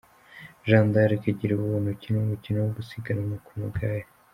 Jeanne d’Arc Girubuntu, ukina umukino wo gusiganwa ku magare.